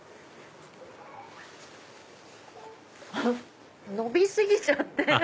のび過ぎちゃって。